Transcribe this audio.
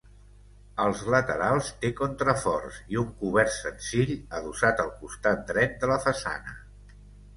Als laterals té contraforts i un cobert senzill adossat al costat dret de la façana.